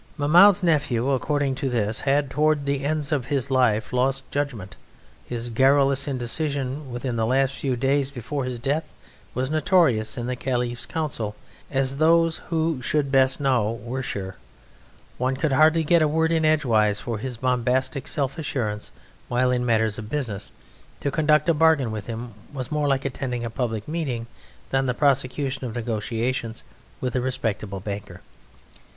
Mahmoud's Nephew, according to this, had towards the end of his life lost judgment; his garrulous indecision within the last few days before his death was notorious: in the Caliph's council, as those who should best know were sure, one could hardly get a word in edgewise for his bombastic self assurance; while in matters of business, to conduct a bargain with him was more like attending a public meeting than the prosecution of negotiations with a respectable banker.